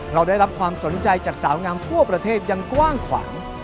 เราได้รับความสนใจจากสาวงามทั่วประเทศยังกว้างขวาง